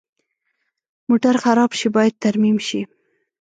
موټر خراب شي، باید ترمیم شي.